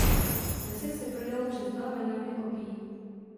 Desek se prodalo přes dva milióny kopií.